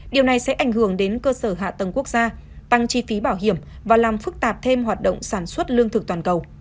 điều này sẽ ảnh hưởng đến cơ sở hạ tầng quốc gia tăng chi phí bảo hiểm và làm phức tạp thêm hoạt động sản xuất lương thực toàn cầu